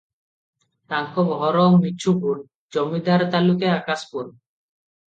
ତାଙ୍କ ଘର ମିଛୁପୁର, ଜମିଦାରୀ ତାଲୁକେ ଆକାଶପୁର ।